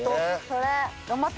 それ。